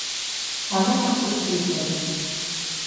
Паны на суд клікалі.